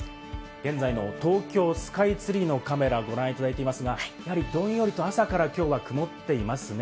現在の東京スカイツリーのカメラをご覧いただいていますが、やはりどんよりと朝から今日は曇っていますね。